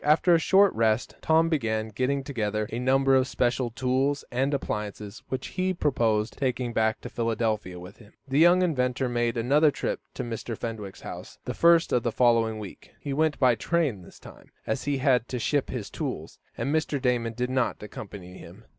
After a short rest, Tom began getting together a number of special tools and appliances, which he proposed taking back to Philadelphia with him. The young inventor made another trip to Mr. Fenwick's house the first of the following week. He went by train this time, as he had to ship his tools, and Mr. Damon did not accompany him.